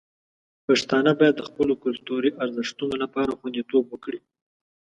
پښتانه باید د خپلو کلتوري ارزښتونو لپاره خوندیتوب وکړي.